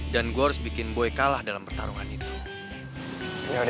dan gue harus bikin boy kalah dalam pertarungan itu